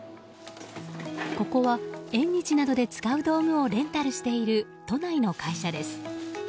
ここは縁日などで使う道具をレンタルしている都内の会社です。